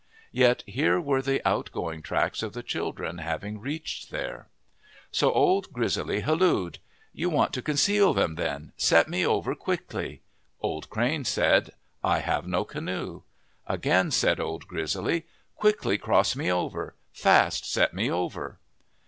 Yet here were the out going tracks of the children having reached there. 139 MYTHS AND LEGENDS So Old Grizzly hallooed :" You want to conceal them then. Set me over quickly." Old Crane said, " I have no canoe." Again said Old Grizzly, " Quickly cross me over ; fast set me over."